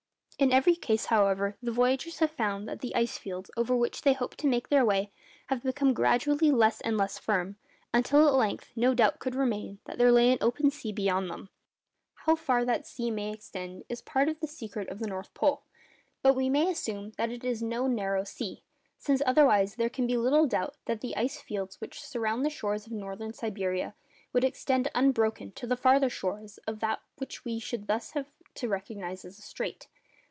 In every case, however, the voyagers have found that the ice fields, over which they hoped to make their way, have become gradually less and less firm, until at length no doubt could remain that there lay an open sea beyond them. How far that sea may extend is a part of the secret of the North Pole; but we may assume that it is no narrow sea, since otherwise there can be little doubt that the ice fields which surround the shores of Northern Siberia would extend unbroken to the farther shores of what we should thus have to recognise as a strait.